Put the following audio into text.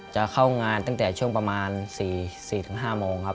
จะเข้างานตั้งแต่ช่วงประมาณ๔๕โมงครับ